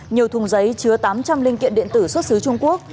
nhiều thùng giấy chứa tám trăm linh linh kiện điện tử xuất xứ trung quốc